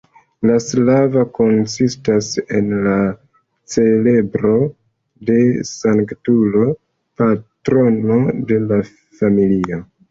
La "slava" konsistas en la celebro de sanktulo patrono de la familio.